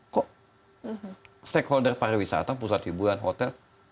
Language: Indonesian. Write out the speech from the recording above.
kok stakeholder para wisata pusat hiburan hotel